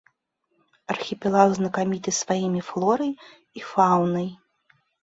Архіпелаг знакаміты сваімі флорай і фаунай.